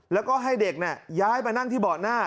แล้วก็ให้เด็กย้ายมานั่งที่เบาะหน้า